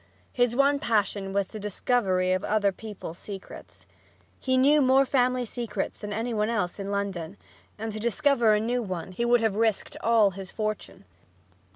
His one passion was the discovery of other people's secrets. He knew more family secrets than any one else in London, and to discover a new one he would have risked all his fortune.